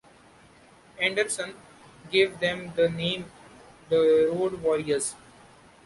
Anderson gave them the name the Road Warriors.